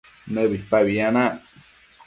nëbipabi yanac